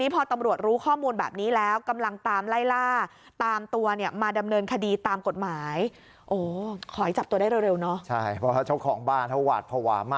ประวัติภาวะมากตอนนี้นะครับ